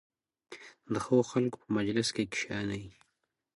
د ښو خلکو په مجلس کې کښېنئ.